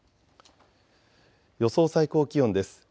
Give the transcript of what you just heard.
予想最高気温です。